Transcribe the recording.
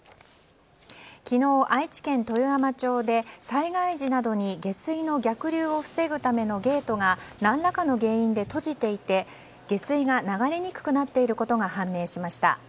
昨日、愛知県豊山町で災害時などに下水の逆流を防ぐためのゲートが何らかの原因で閉じていて下水が流れにくくなっていることが判明しました。